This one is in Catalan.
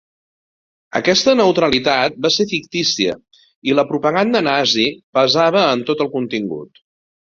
Aquesta neutralitat va ser fictícia i la propaganda nazi pesava en tot el contingut.